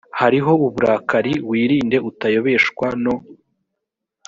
hariho uburakari wirinde utayobeshwa no